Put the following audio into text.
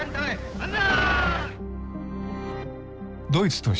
万歳！